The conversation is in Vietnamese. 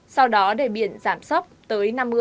sau đó đề biển giảm giá